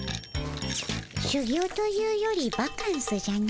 しゅ業というよりバカンスじゃの。